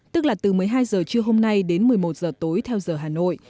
tức là từ một mươi hai h trưa hôm nay đến một mươi một h tối theo giờ hà nội